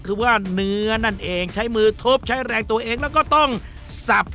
คือว่าเนื้อนั่นเองใช้มือทบใช้แรงตัวเองแล้วก็ต้องสับ